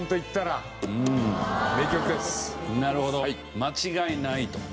間違いないと。